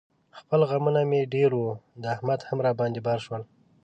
خپل غمونه مې ډېر و، د احمد هم را باندې بار شول.